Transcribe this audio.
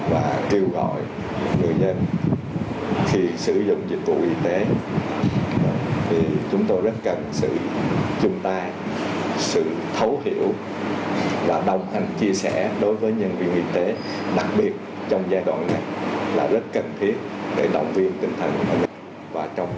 và kêu gọi người dân khi sử dụng dịch vụ y tế thì chúng tôi rất cần sự chung tay sự thấu hiểu và đồng hành chia sẻ đối với nhân viên y tế đặc biệt trong giai đoạn này là rất cần thiết để động viên tinh thần của mình